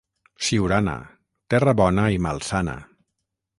Siurana, terra bona i malsana.